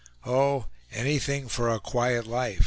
Oh, 'anything for a quiet life!